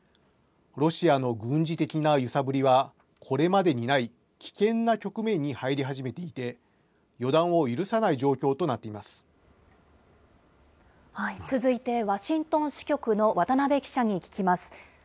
ロシアの軍事的な揺さぶりは、これまでにない危険な局面に入り始めていて、予断を許さない状況と続いてワシントン支局の渡辺記者に聞きます。